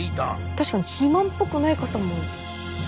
確かに肥満っぽくない方も。